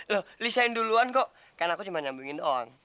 loh lisain duluan kok karena aku cuma nyambungin on